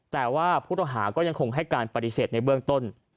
แต่ว่าผู้ต้องหาก็ยังคงให้การปฏิเสธในเบื้องต้น